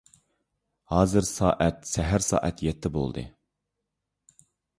ھازىر سائەت سەھەر سائەت يەتتە بولدى.